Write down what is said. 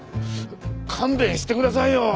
勘弁してくださいよ！